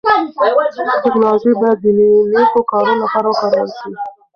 ټکنالوژي بايد د نيکو کارونو لپاره وکارول سي.